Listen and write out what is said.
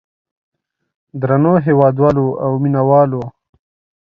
درنو هېوادوالو او مینه والو.